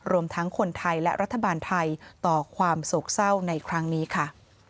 รวมทั้งคนไทยและรัฐบาลไทยต่อความโศกเศร้าในครั้งนี้ค่ะ